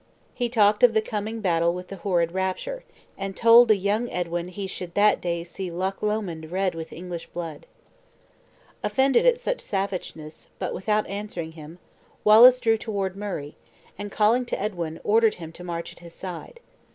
He talked of the coming battle with horrid rapture, and told the young Edwin he should that day see Loch Lomond red with English blood. Offended at such savageness, but without answering him, Wallace drew toward Murray, and calling to Edwin, ordered him to march at his side.